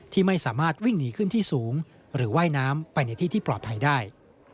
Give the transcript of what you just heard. ที่ไม่สามารถวิ่งหนีขึ้นที่สูงหรือว่ายน้ำไปในที่ที่ปลอดภัยได้